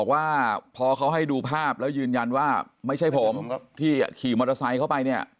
ว่าพอเขาให้ดูภาพแล้วยืนยันว่าไม่ใช่ผมที่ขี่มอเตอร์ไซค์เข้าไปเนี่ย